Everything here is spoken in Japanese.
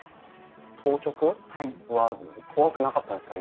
当直は怖くなかったんですか？